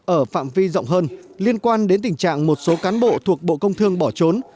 ở phạm vi rộng hơn liên quan đến tình trạng một số cán bộ thuộc bộ công thương bỏ trốn